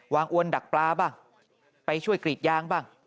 อวนดักปลาบ้างไปช่วยกรีดยางบ้าง